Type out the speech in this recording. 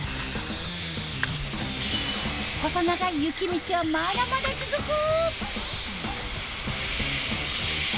細長い雪道はまだまだ続く！